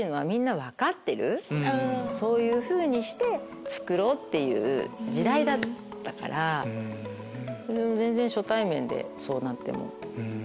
そういうふうにしてつくろうっていう時代だったから全然初対面でそうなっても。